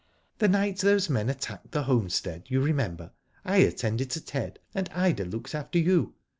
The night those men attacked the homestead you remember I attended to Ted, and Ida looked after you.